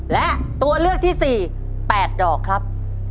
และตัวเลือกที่๔๘ดอกครับ